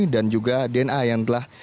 dan juga dna yang telah